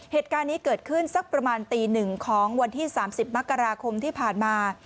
เหตุการณ์นี้เกิดขึ้นสักประมาณตีหนึ่งของวันที่๓๐มกราคมที่ผ่านมา